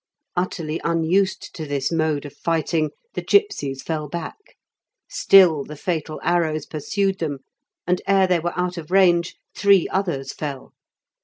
Utterly unused to this mode of fighting, the gipsies fell back. Still the fatal arrows pursued them, and ere they were out of range three others fell.